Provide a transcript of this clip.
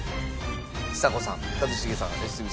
ちさ子さん一茂さん良純さん